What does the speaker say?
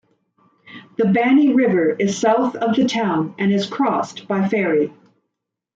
The Bani river is south of the town and is crossed by ferry.